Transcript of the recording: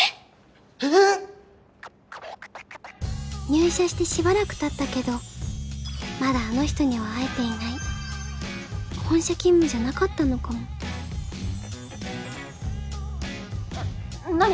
入社してしばらくたったけどまだあの人には会えていない本社勤務じゃなかったのかもえっ何